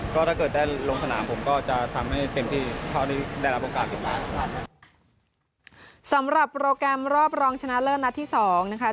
ก็ถ้าเกิดได้ลงสนามผมก็จะทำให้เต็มที่เท่าที่ได้รับโอกาสสุดท้ายสำหรับโปรแกรมรอบรองชนะเลิศนัดที่สองนะคะ